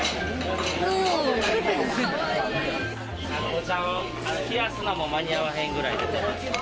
お茶を冷やすのも間に合わへんぐらい出てます。